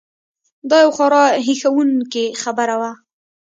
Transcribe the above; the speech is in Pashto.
دا یو خورا هیښوونکې خبره وه.